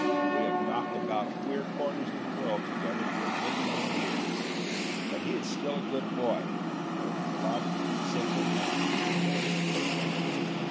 We have knocked about queer corners of the world together for a good many years. But he is still but a great boy, with the bluff, simple manners of the West.